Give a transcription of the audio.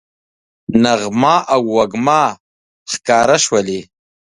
نغمه او وږمه ښکاره شولې